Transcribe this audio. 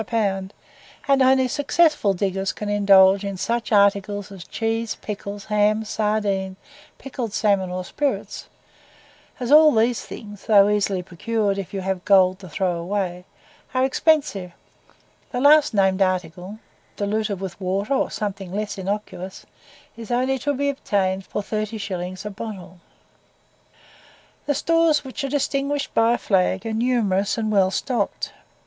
a pound, and only successful diggers can indulge in such articles as cheese, pickles, ham, sardines, pickled salmon, or spirits, as all these things, though easily procured if you have gold to throw away, are expensive, the last named article (diluted with water or something less innoxious) is only to be obtained for 30s. a bottle. The stores, which are distinguished by a flag, are numerous and well stocked.